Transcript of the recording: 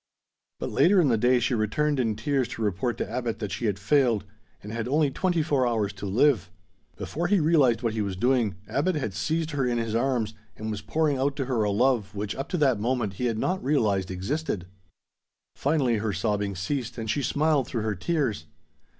But later in the day she returned in tears to report to Abbot that she had failed, and had only twenty four hours to live. Before he realized what he was doing, Abbot had seized her in his arms, and was pouring out to her a love which up to that moment he had not realized existed. Finally her sobbing ceased, and she smiled through her tears.